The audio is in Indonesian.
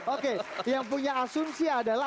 oke yang punya asumsi adalah